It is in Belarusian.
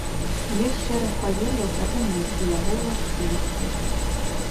Ёсць шэраг павер'яў пра тунэль і яго ўласцівасці.